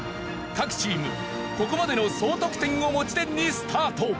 各チームここまでの総得点を持ち点にスタート。